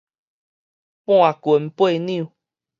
半斤八兩